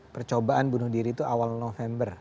percobaan bunuh diri itu awal november